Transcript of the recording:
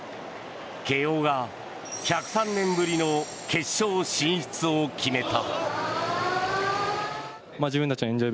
慶応が１０３年ぶりの決勝進出を決めた。